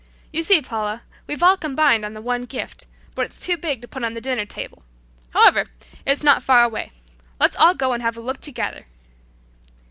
You see, Paula, we've all combined on the one gift, but it's too big to put on the dining table. However, it's not far away. Let's all go and have a look at it together."